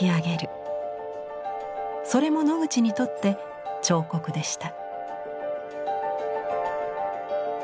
それもノグチにとって彫刻でした。